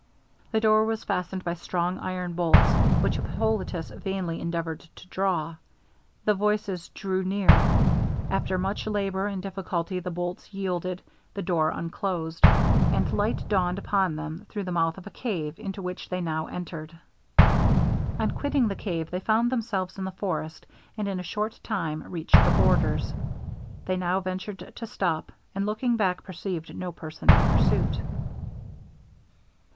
The door was fastened by strong iron bolts, which Hippolitus vainly endeavoured to draw. The voices drew near. After much labour and difficulty the bolts yielded the door unclosed and light dawned upon them through the mouth of a cave, into which they now entered. On quitting the cave they found themselves in the forest, and in a short time reached the borders. They now ventured to stop, and looking back perceived no person in pursuit.